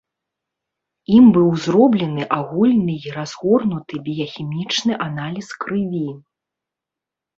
Ім быў зроблены агульны і разгорнуты біяхімічны аналіз крыві.